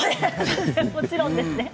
もちろんですね。